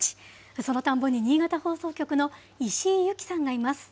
その田んぼに新潟放送局の石井由貴さんがいます。